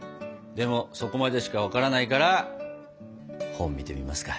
でもそこまでしか分からないから本見てみますか？